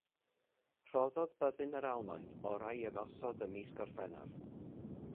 Rhoddodd Byddin yr Almaen orau i ymosod ym mis Gorffennaf.